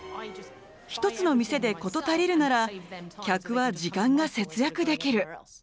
１つの店で事足りるなら客は時間が節約できる」。